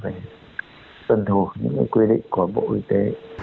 vì vậy chúng ta phải tuân thuộc những quy định của bộ y tế